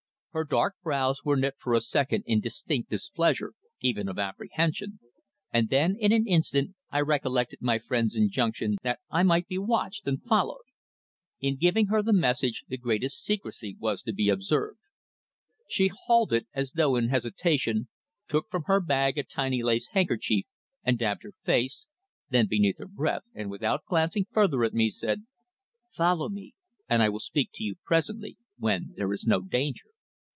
Her dark brows were knit for a second in distinct displeasure, even of apprehension, and then in an instant I recollected my friend's injunction that I might be watched and followed. In giving her the message the greatest secrecy was to be observed. She halted, as though in hesitation, took from her bag a tiny lace handkerchief and dabbed her face, then beneath her breath, and without glancing further at me, said: "Follow me, and I will speak to you presently when there is no danger."